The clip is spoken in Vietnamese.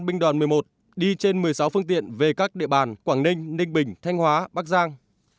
binh đoàn một mươi một đi trên một mươi sáu phương tiện về các địa bàn quảng ninh ninh bình thanh hóa bắc giang